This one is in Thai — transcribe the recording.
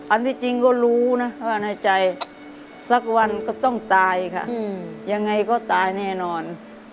ที่จริงก็รู้นะว่าในใจสักวันก็ต้องตายค่ะยังไงก็ตายแน่นอน